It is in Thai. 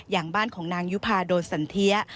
อย่างบ้านของนางยุภาโดนสันเทีย